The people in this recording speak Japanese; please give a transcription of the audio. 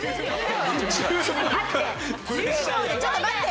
ちょっと待ってよ！